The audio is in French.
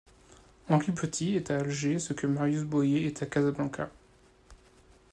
Henri Petit est à Alger ce que Marius Boyer est à Casablanca.